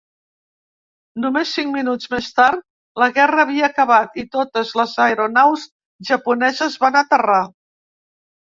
Només cinc minuts més tard, la guerra havia acabat i totes les aeronaus japoneses van aterrar.